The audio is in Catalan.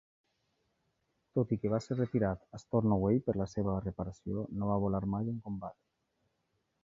Tot i que va ser retirat a Stornoway per a la seva reparació, no va volar mai en combat.